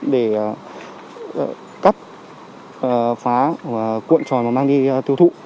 để cắt phá cuộn tròn và mang đi tiêu thụ